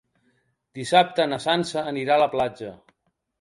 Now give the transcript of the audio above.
Dissabte na Sança anirà a la platja.